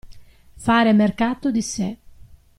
Fare mercato di sé.